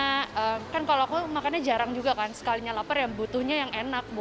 karena kan kalau aku makannya jarang juga kan sekalinya lapar yang butuhnya yang enak